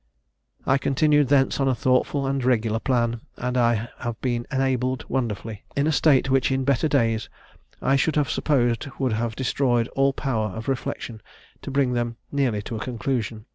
"I continued thence on a thoughtful and regular plan; and I have been enabled wonderfully, in a state which in better days I should have supposed would have destroyed all power of reflection, to bring them nearly to a conclusion.